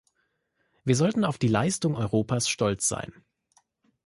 Wir sollten auf die Leistung Europas stolz sein.